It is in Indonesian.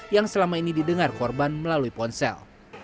yang selama ini didengar korban melalui ponsel